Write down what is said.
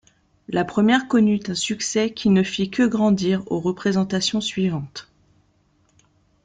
La première connut un succès qui ne fit que grandir aux représentations suivantes.